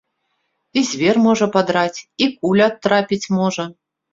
І звер можа падраць, і куля трапіць можа.